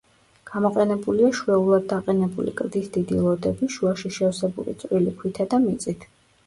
გამოყენებულია შვეულად დაყენებული კლდის დიდი ლოდები, შუაში შევსებული წვრილი ქვითა და მიწით.